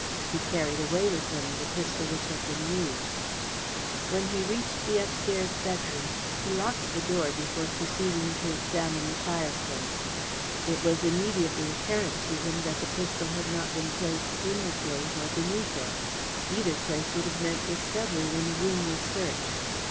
He carried away with him the pistol which had been used. When he reached the upstairs bedroom he locked the door before proceeding to examine the fireplace. It was immediately apparent to him that the pistol had not been placed in the grate or beneath it. Either place would have meant discovery when the room was searched.